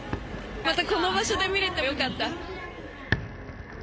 またこの場所で見れてよかった。